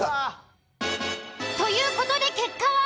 という事で結果は。